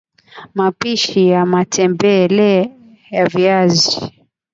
mapishi ya matembele ya viazi